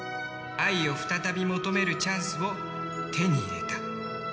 愛を再び求めるチャンスを手に入れた。